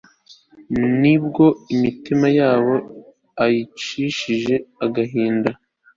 ni bwo imitima yabo ayicishije agahinda